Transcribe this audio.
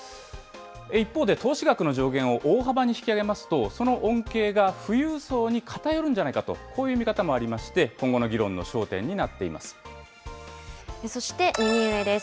一方で、投資額の上限を大幅に引き上げますと、その恩恵が富裕層に偏るんじゃないかと、こういう見方もありまして、今後の議論のそして、右上です。